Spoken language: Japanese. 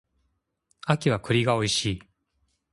秋は栗が美味しい